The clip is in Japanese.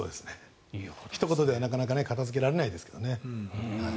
ひと言では片付けられないですけどね。